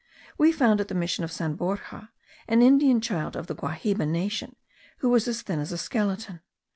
We found at the mission of San Borja an Indian child of the Guahiba nation, who was as thin as a skeleton.